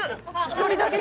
１人だけ？